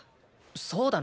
そうだな。